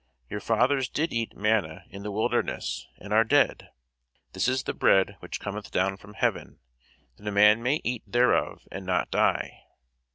Your fathers did eat manna in the wilderness, and are dead. This is the bread which cometh down from heaven, that a man may eat thereof, and not die.